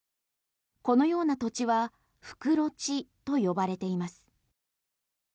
このような土地は袋地と呼ばれています。